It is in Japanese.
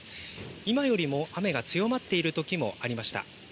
今よりも雨が強まっているときもありました。